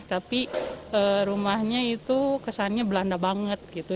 tapi rumahnya itu kesannya belanda banget gitu